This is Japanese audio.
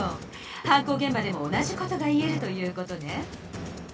犯行げん場でも同じ事が言えるという事ね。